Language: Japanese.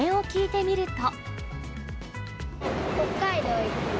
北海道行く。